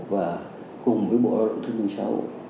và cùng với bộ ấn thương minh cháu